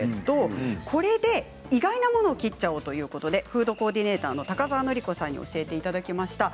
これで意外なものを切ってしまおうということでフードコーディネーターの高沢紀子さんに教えてもらいました。